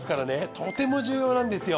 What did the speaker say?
とても重要なんですよ。